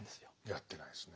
やってないですねぇ。